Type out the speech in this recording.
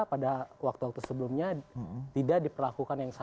pada waktu waktu sebelumnya tidak diperlakukan yang sama